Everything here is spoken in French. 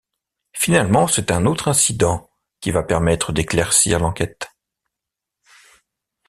Finalement, c'est un autre incident qui va permettre d'éclaircir l'enquête.